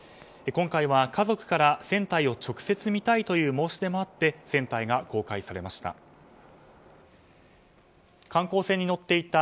今回は家族から船体を直接見たいという申し出もあって船体が公開されました。